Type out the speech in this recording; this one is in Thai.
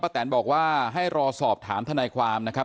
แตนบอกว่าให้รอสอบถามทนายความนะครับ